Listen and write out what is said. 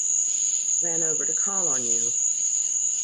Ran over to call on you.